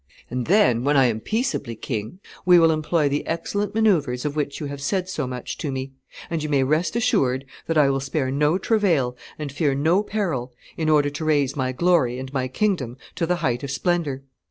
And then, when I am peaceably king, we will employ the excellent manoeuvres of which you have said so much to me; and you may rest assured that I will spare no travail and fear no peril in order to raise my glory and my kingdom to the height of splendor.